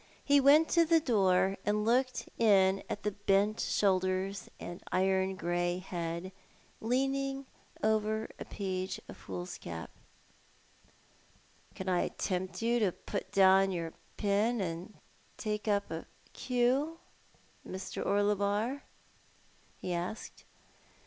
He went to the door and looked in at the bent shoulders and iron grey head, leaning over a page of foolscap, " Can I tempt you to put down your pen and take up a cue, Mr. Orlebar?" he asked.